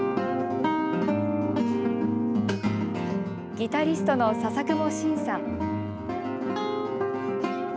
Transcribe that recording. ギタリストの笹久保伸さん。